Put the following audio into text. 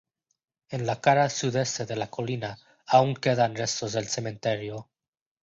En la cara sudeste de la colina, aún quedan restos del cementerio.